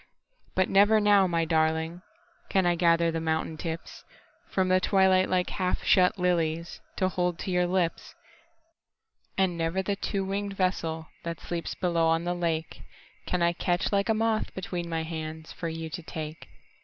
But never now, my darlingCan I gather the mountain tipsFrom the twilight like half shut liliesTo hold to your lips. And never the two winged vesselThat sleeps below on the lakeCan I catch like a moth between my handsFor you to take.